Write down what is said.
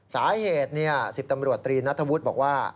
สาเหตุ๑๐ตำรวจตรีนัทธวุฒิบอกว่า